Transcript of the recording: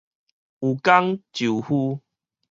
有工就有夫